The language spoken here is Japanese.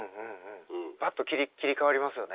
パッと切り替わりますよね。